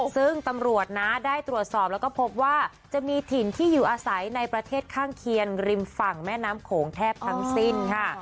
ซึ่งตำรวจนะได้ตรวจสอบแล้วก็พบว่าจะมีถิ่นที่อยู่อาศัยในประเทศข้างเคียงริมฝั่งแม่น้ำโขงแทบทั้งสิ้นค่ะ